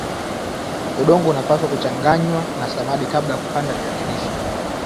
udongo unapaswa kuchanganywa na samadi kabla kupanda viazi lishe